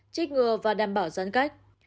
trích ngừa và đảm bảo giãn cách